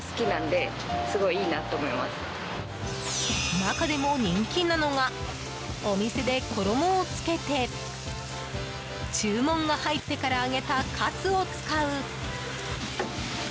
中でも人気なのがお店で衣をつけて注文が入ってから揚げたカツを使う。